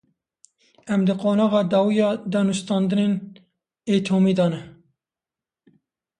Em di qonaxa dawî ya danûstandinên etomî de ne.